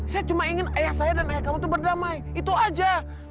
saya cuma ingin ayah saya dan ayah kamu itu berdamai itu aja